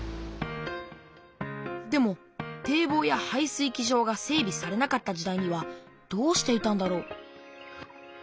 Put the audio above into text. でも堤防や排水機場が整びされなかった時代にはどうしていたんだろう？